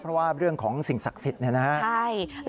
เพราะว่าเรื่องของสิ่งศักดิ์สิทธิ์เนี่ยนะครับ